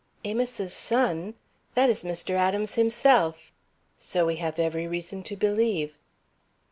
'" "Amos's son! That is Mr. Adams himself." "So we have every reason to believe."